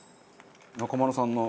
中丸さんの。